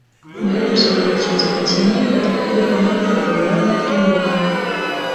Вось, мая цёця-пенсіянерка такую дапамогу рэгулярна атрымлівае.